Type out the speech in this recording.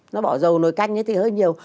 nó bỏ dầu nồi canh ấy thì hơi nhiều